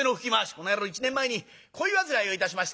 「この野郎一年前に恋煩いをいたしまして」。